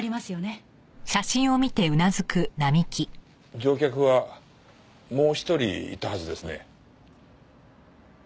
乗客はもう１人いたはずですね。